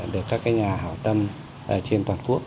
được các nhà hào tâm trên toàn quốc